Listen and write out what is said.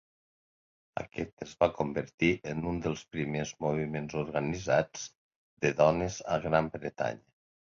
Aquest es va convertir en un dels primers moviments organitzats de dones a Gran Bretanya.